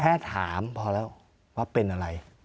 แค่ถามพอแล้วว่าเป็นอะไร